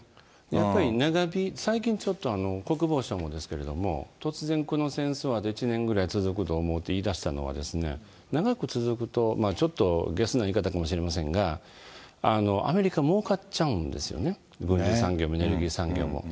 やっぱり最近ちょっと、国防省なんですけれども、突然、この戦争は１年ぐらい続くと思うと言い出したのはですね、長く続くと、ちょっとげすな言い方かもしれませんが、アメリカもうかっちゃうんですよね、軍需産業もエネルギー産業も。